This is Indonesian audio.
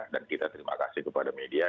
dan kita terima kasih kepada media